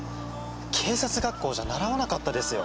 警察学校じゃ習わなかったですよ。